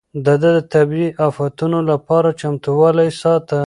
ده د طبيعي افتونو لپاره چمتووالی ساته.